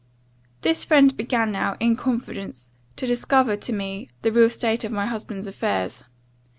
"This friend began now, in confidence, to discover to me the real state of my husband's affairs.